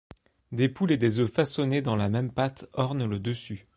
Des poules et des œufs façonnés dans la même pâte ornent le dessus.